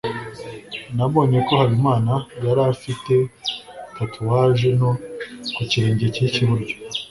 nabonye ko habimana yari afite tatouage nto ku kirenge cye cy'iburyo